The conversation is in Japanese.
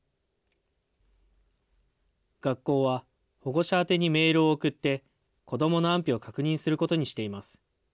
学校は、保護者宛てにメールを送って、子どもの安否を確認することにしています。